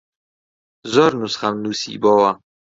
زۆر نوسخەم نووسیبۆوە